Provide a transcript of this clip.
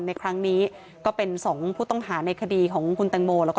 ในครั้งนี้ก็เป็นสองผู้ต้องหาในคดีของคุณแตงโมแล้วก็